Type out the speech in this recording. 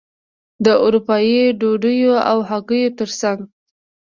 د اروپايي ډوډیو او هګیو ترڅنګ.